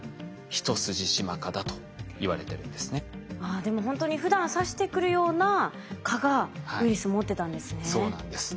ああでもほんとにふだん刺してくるような蚊がウイルス持ってたんですね。